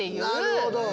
なるほど！